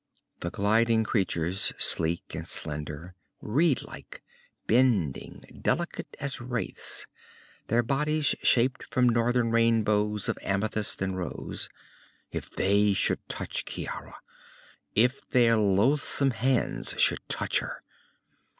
_The gliding creatures, sleek and slender, reedlike, bending, delicate as wraiths, their bodies shaped from northern rainbows of amethyst and rose if they should touch Ciara, if their loathsome hands should touch her....